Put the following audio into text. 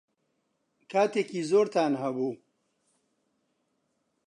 کاتێکی زۆرتان هەبوو.